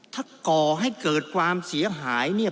ถ้าก่อให้เกิดความเสียหายเนี่ย